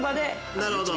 なるほど！